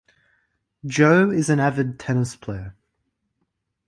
Joe is an avid tennis player.